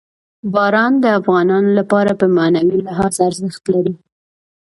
باران د افغانانو لپاره په معنوي لحاظ ارزښت لري.